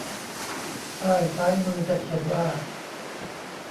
ป้ายซ้ายมือจะเขียนว่า